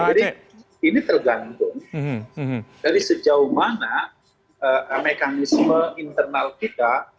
jadi ini tergantung dari sejauh mana mekanisme internal kita